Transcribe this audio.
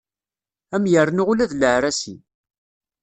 Ad am-yernu ula d leɛrasi.